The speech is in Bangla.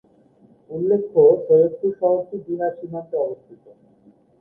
উল্লেখ্য সৈয়দপুর শহরটি বিহার সীমান্তে অবস্থিত।